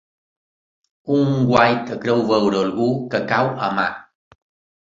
Un guaita creu veure algú que cau a mar.